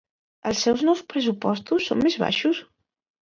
Els seus nous pressupostos, són més baixos?